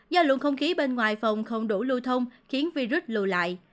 do luồng không khí bên ngoài phòng không đủ lưu thông khiến virus lưu lại